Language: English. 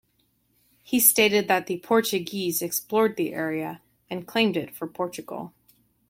He stated that the Portuguese explored the area and claimed it for Portugal.